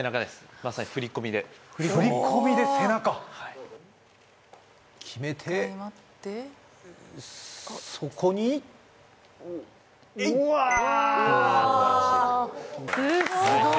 まさに振り込みで振り込みで背中決めて１回待ってそこにえいっうわすごい！